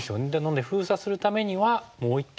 封鎖するためにはもう一手